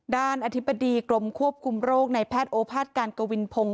อธิบดีกรมควบคุมโรคในแพทย์โอภาษการกวินพงศ์